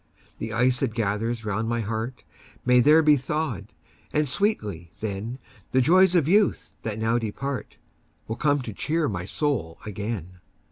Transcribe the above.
The ice that gathers round my heart May there be thawed; and sweetly, then, The joys of youth, that now depart, Will come to cheer my soul again.